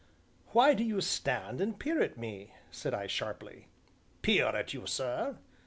"Why do you stand and peer at me?" said I sharply. "Peer at you, sir?"